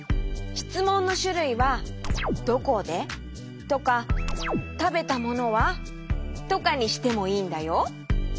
しつもんのしゅるいは「どこで？」とか「たべたものは？」とかにしてもいいんだよ。